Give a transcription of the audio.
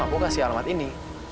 aku kasih alamat ini